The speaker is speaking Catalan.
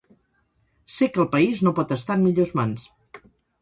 Sé que el país no pot estar en millor mans.